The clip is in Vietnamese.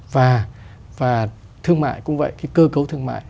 và thương mại cũng vậy cái cơ cấu thương mại